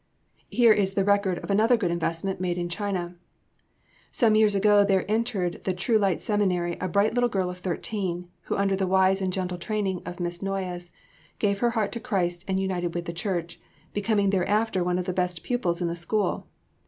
Here is the record of another good investment made in China: Some years ago there entered the True Light Seminary a bright little girl of thirteen, who, under the wise and gentle training of Miss Noyes, gave her heart to Christ and united with the church, becoming thereafter one of the best pupils in the school.